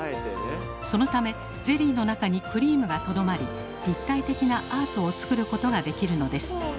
そのためゼリーの中にクリームがとどまり立体的なアートを作ることができるのです。